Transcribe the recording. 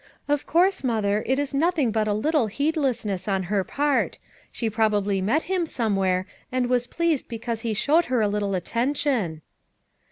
"Of course, Mother, it is nothing but a little heedlessness on her part; she probably met him somewhere and was pleased because he showed her a little attention."